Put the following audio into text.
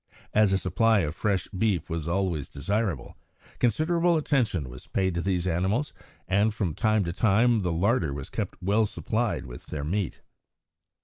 As a supply of fresh beef was always desirable, considerable attention was paid to these animals, and, from time to time, the larder was kept well supplied with their meat.